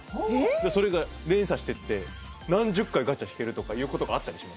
それが連鎖していって何十回ガチャ引けるとかいう事があったりします。